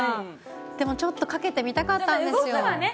でもちょっとかけてみたかったんですよね。